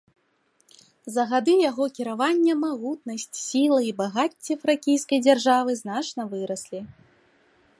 За гады яго кіравання магутнасць, сіла і багацце фракійскай дзяржавы значна выраслі.